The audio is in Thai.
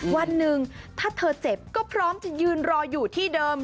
วันหนึ่งถ้าเธอเจ็บก็พร้อมจะยืนรออยู่ที่เดิม